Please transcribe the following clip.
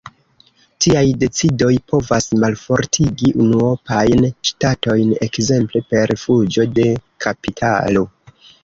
Tiaj decidoj povas malfortigi unuopajn ŝtatojn, ekzemple per fuĝo de kapitalo.